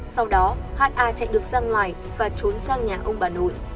sau đó ha chạy được sang ngoài và trốn sang nhà ông bà nội